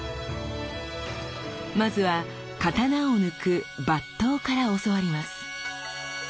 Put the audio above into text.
まずは刀を抜く「抜刀」から教わります。